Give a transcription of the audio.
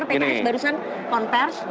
karena pks barusan konfers